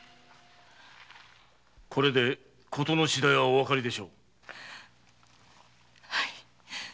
これで事の次第はおわかりでしょう。